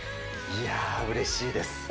いや、うれしいです。